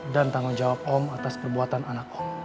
dan tanggung jawab om atas perbuatan anak om